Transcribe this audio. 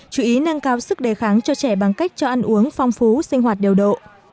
chú ý nâng cao sức đề kháng cho trẻ bằng cách cho ăn uống phong phú sinh hoạt điều độ